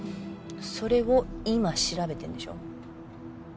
それを今調べてんでしょ。